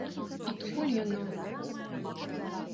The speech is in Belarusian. Адкуль яна ў нас?